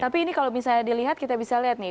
tapi ini kalau misalnya dilihat kita bisa lihat nih